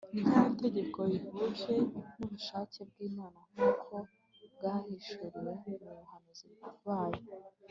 ryari itegeko rihuje n'ubushake bw'imana nk'uko bwahishuriwe mu bahanuzi bayo